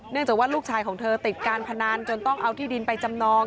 จากว่าลูกชายของเธอติดการพนันจนต้องเอาที่ดินไปจำนอง